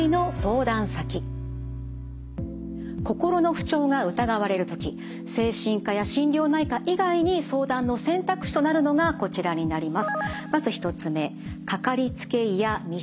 心の不調が疑われる時精神科や心療内科以外に相談の選択肢となるのがこちらになります。